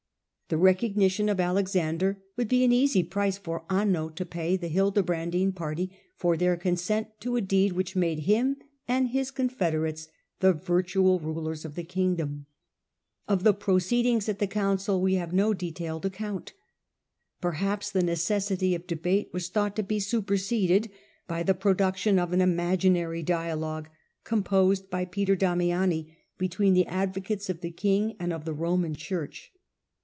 The recognition of Alexander would be an easy price for Anno to pay the Hildebrandine party for their consent to a deed which made him and his confederates the virtual rulers of the kingdom. Of the proceedings at the council we have no detailed account. Perhaps the necessity of debate was Diaiogae ^jhought to be Superseded by the production SJ'p^? of an imaginary dialogue, composed by Peter Damiani Damiaui, between the advocates of the king and of the Roman Church.